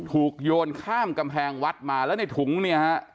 โยนข้ามกำแพงวัดมาแล้วในถุงเนี่ยฮะ